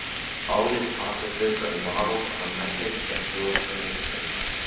All these processes are modelled on methods and tools from nature.